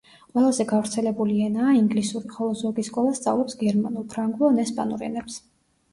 ყველაზე გავრცელებული ენაა ინგლისური, ხოლო ზოგი სკოლა სწავლობს გერმანულ, ფრანგულ ან ესპანურ ენებს.